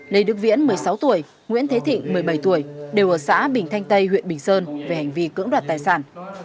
lê đức viễn một mươi sáu tuổi nguyễn thế thịnh một mươi bảy tuổi đều ở xã bình thanh tây huyện bình sơn về hành vi cưỡng đoạt tài sản